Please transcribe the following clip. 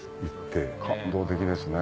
感動的ですね